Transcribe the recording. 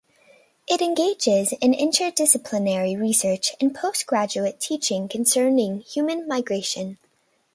It engages in interdisciplinary research and postgraduate teaching concerning human migration.